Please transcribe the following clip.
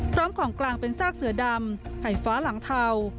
พร้อมของกลางเป็นซากเสือดำไข่ฟ้าหลังเทา